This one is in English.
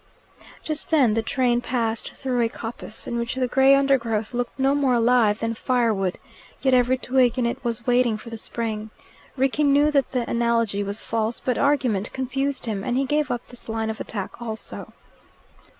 Just then the train passed through a coppice in which the grey undergrowth looked no more alive than firewood. Yet every twig in it was waiting for the spring. Rickie knew that the analogy was false, but argument confused him, and he gave up this line of attack also.